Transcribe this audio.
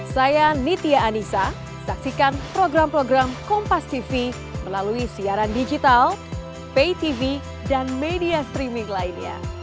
saya nitya anissa saksikan program program kompastv melalui siaran digital paytv dan media streaming lainnya